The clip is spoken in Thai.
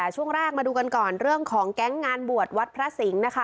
ช่วงแรกมาดูกันก่อนเรื่องของแก๊งงานบวชวัดพระสิงห์นะคะ